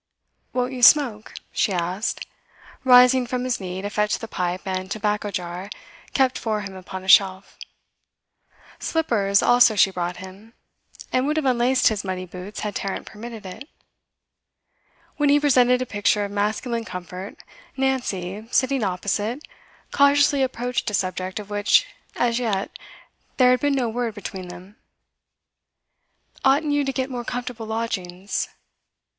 'Won't you smoke?' she asked, rising from his knee to fetch the pipe and tobacco jar kept for him upon a shelf. Slippers also she brought him, and would have unlaced his muddy boots had Tarrant permitted it. When he presented a picture of masculine comfort, Nancy, sitting opposite, cautiously approached a subject of which as yet there had been no word between them. 'Oughtn't you to get more comfortable lodgings?